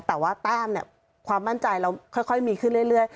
แต่ว่าต้ามความบ้านใจเราค่อยมีขึ้นเรื่อย